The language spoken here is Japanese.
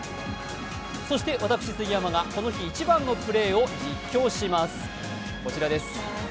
そして、私、杉山がこの日一番のプレーを実況します、こちらです。